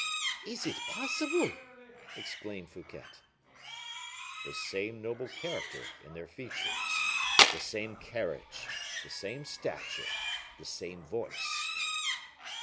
"Is it possible?" exclaimed Fouquet. "The same noble character in their features, the same carriage, the same stature, the same voice."